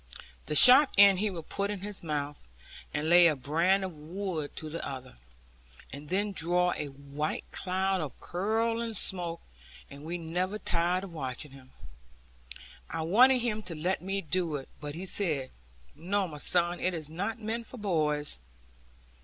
The sharp end he would put in his mouth, and lay a brand of wood to the other, and then draw a white cloud of curling smoke, and we never tired of watching him. I wanted him to let me do it, but he said, 'No, my son; it is not meant for boys.'